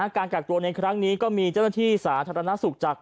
การกักตัวในครั้งนี้ก็มีเจ้าหน้าที่สาธารณสุขจาก